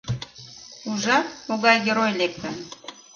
— Ужат, могай герой лектын!